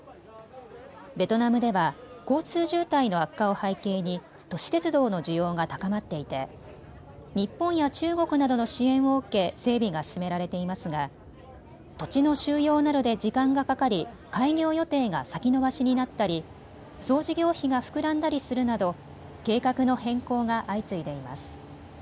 ベトナムでは交通渋滞の悪化を背景に都市鉄道の需要が高まっていて日本や中国などの支援を受け整備が進められていますが土地の収用などで時間がかかり開業予定が先延ばしになったり総事業費が膨らんだりするなど計画の変更が相次いでいます。